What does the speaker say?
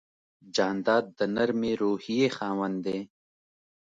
جانداد د نرمې روحیې خاوند دی.